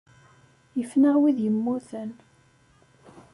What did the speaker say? Ifen-aɣ wid yemmuten.